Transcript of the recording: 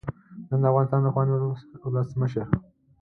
نن د افغانستان د پخواني ولسمشر